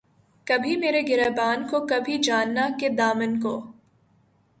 کبھی میرے گریباں کو‘ کبھی جاناں کے دامن کو